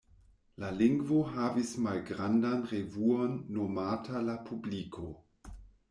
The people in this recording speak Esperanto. La lingvo havis malgrandan revuon nomata "La Publiko".